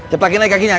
cepetin lagi kakinya